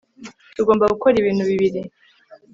tugomba gukora ibintu bibiri